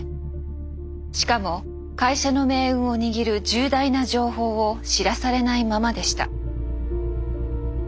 しかも会社の命運を握る重大な情報を知らされないままでした。